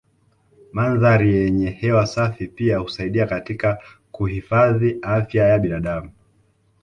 Mandhari yenye hewa safi pia husaidia katika kuhifadhi afya ya binadamu